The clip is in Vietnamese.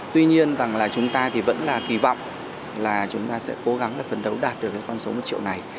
tuy nhiên rằng là chúng ta thì vẫn là kỳ vọng là chúng ta sẽ cố gắng để phấn đấu đạt được cái con số một triệu này